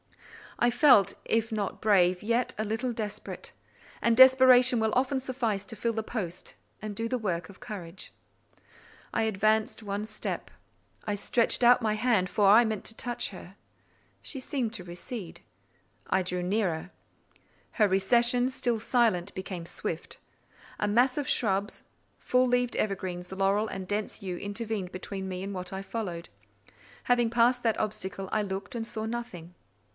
I felt, if not brave, yet a little desperate; and desperation will often suffice to fill the post and do the work of courage. I advanced one step. I stretched out my hand, for I meant to touch her. She seemed to recede. I drew nearer: her recession, still silent, became swift. A mass of shrubs, full leaved evergreens, laurel and dense yew, intervened between me and what I followed. Having passed that obstacle, I looked and saw nothing.